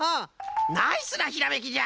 ナイスなひらめきじゃ！